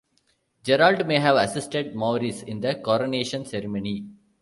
Gerard may have assisted Maurice in the coronation ceremony.